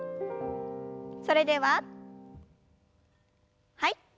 それでははい。